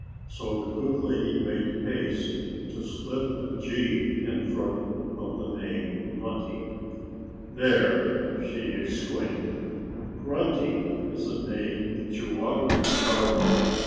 So the good lady made haste to slip a G in front of the name "Runty." "There!" she exclaimed. "'Grunty' is a name that you ought to be proud of.